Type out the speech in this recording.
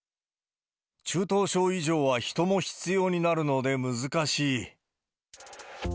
中等症以上は人も必要になるので難しい。